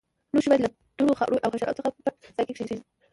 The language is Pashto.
لوښي باید له دوړو، خاورو او حشراتو څخه په پټ ځای کې کېږدئ.